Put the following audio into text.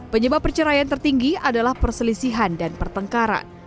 penyebab perceraian tertinggi adalah perselisihan dan pertengkaran